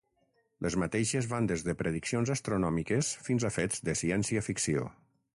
Les mateixes van des de prediccions astronòmiques, fins a fets de ciència-ficció.